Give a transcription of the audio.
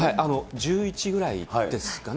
１１ぐらいですかね。